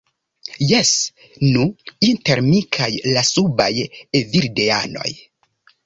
Jes, nu, inter mi kaj la subaj evildeanoj.